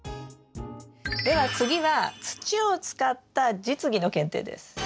では次は土を使った実技の検定です。